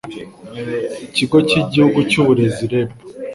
Ikigo cy'Igihugu cy'Uburezi REB